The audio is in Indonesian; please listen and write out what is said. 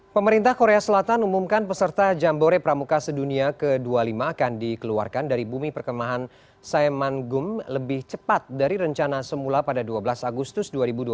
pemerintah korea selatan umumkan peserta jambore pramuka sedunia ke dua puluh lima akan dikeluarkan dari bumi perkemahan saimangum lebih cepat dari rencana semula pada dua belas agustus dua ribu dua puluh